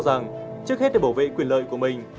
rằng trước hết để bảo vệ quyền lợi của mình